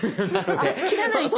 あっ切らないと。